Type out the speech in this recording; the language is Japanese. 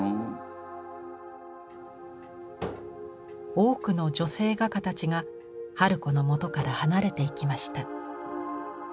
多くの女性画家たちが春子のもとから離れていきました。